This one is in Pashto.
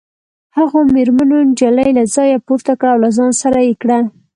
هغو مېرمنو نجلۍ له ځایه پورته کړه او له ځان سره یې کړه